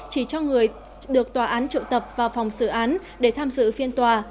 chỉ cho người được tòa án trụ tập vào phòng xử án để tham dự phiên tòa